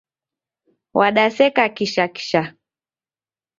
Wadaseka kisha kisha